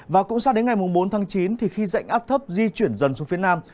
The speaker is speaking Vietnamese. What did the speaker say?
và cũng sang đến ngày bốn tháng chín khi dạnh áp thấp di chuyển dần xuống phía nam